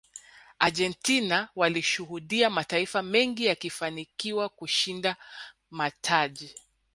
argentina waliishuhudia mataifa mengi yakifanikiwa kushinda mataji